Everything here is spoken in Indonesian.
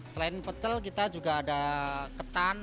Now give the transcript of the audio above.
selain pecel kita juga ada ketan